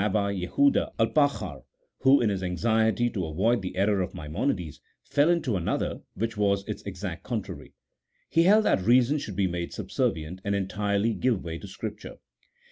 Jehuda Alpakhar, who, in his anxiety to avoid the error of Maimonides, fell into another, "which was its exact contrary. He held that reason should be made subservient, and entirely give way to Scripture.